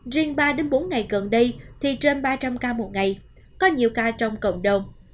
riêng ba bốn ngày gần đây thì trên ba trăm linh ca một ngày có nhiều ca trong cộng đồng